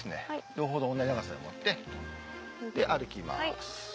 両方とも同じ長さで持ってで歩きます。